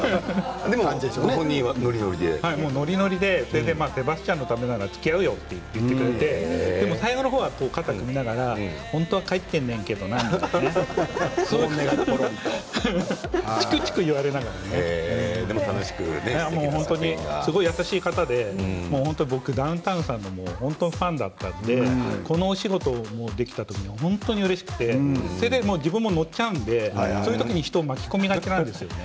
ノリノリでセバスチャンのためならつきあうよと言ってくれて最後の方は固く見ながら本当は帰ってねんけどなってちくちく言われながらすごく優しい方で僕ダウンタウンさんの本当にファンだったのでこの仕事をできたことは本当にうれしくて自分も乗っちゃうので、その時に人を巻き込みがちなんですよね。